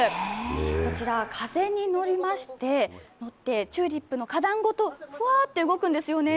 こちら、風に乗りまして、チューリップの花壇ごとふわって動くんですよね。